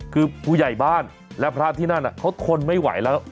คือผู้ใหญ่บ้านและพระที่นั่นเขาทนไม่ไหวแล้ว